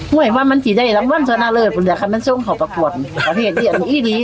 เว้ยว่ามันถูกได้ละมันตอนนั้นเลยแต่คันมันช่วงเขาประกวดอ่ะเหตุเนี้ยอันนี้ดี